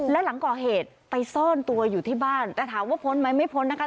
และหลังก่อเหตุไปซ่อนตัวอยู่ที่บ้านแต่ถามว่าพ้นไหมไม่พ้นนะคะ